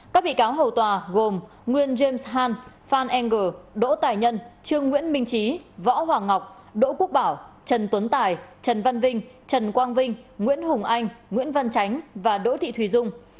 các bị cáo hầu tòa gồm nguyên james hant phan enger đỗ tài nhân trương nguyễn minh trí võ hoàng ngọc đỗ quốc bảo trần tuấn tài trần văn vinh trần quang vinh nguyễn hùng anh nguyễn văn tránh và đỗ thị thùy dung